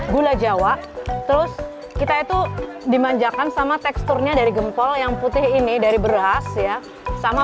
gula jawa terus kita itu dimanjakan sama teksturnya dari gempol yang putih ini dari beras ya sama